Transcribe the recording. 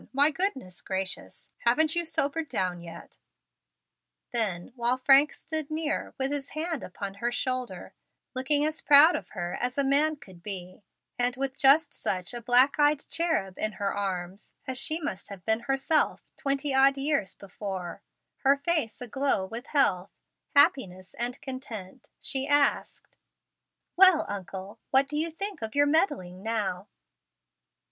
My goodness gracious! haven't you sobered down yet?" Then, while Frank stood near, with his hand upon her shoulder, looking as proud of her as a man could be, and with just such a black eyed cherub in her arms as she must have been herself twenty odd years before, her face aglow with health, happiness, and content, she asked, "Well, uncle, what do you think of your meddling now?"